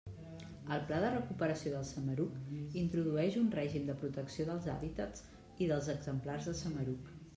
El Pla de Recuperació del Samaruc introdueix un règim de protecció dels hàbitats i dels exemplars de samaruc.